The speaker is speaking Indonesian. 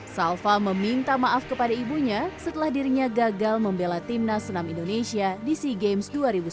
salva meminta maaf kepada ibunya setelah dirinya gagal membela timnas senam indonesia di sea games dua ribu sembilan belas